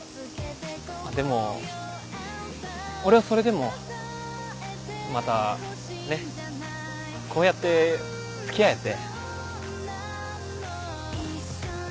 でも俺はそれでもまたねこうやって付き合えて。